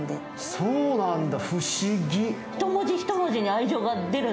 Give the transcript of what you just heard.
そうなんだ、不思議。